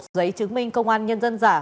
một giấy chứng minh công an nhân dân giả